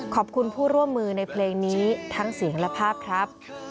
ขอบคุณผู้ร่วมมือในเพลงนี้ทั้งเสียงและภาพครับ